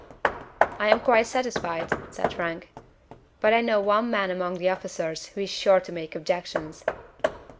"I am quite satisfied," said Frank. "But I know of one man among the officers who is sure to make objections."